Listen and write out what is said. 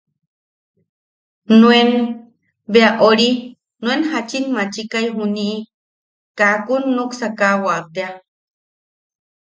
Nuen... bea ori... nuen jachin machikai juni kakun nuksakawa tea.